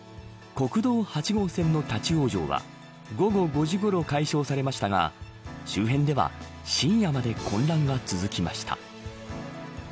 国道８号線の立ち往生は午後５時ごろ解消されましたが周辺では深夜まで混乱が続きました。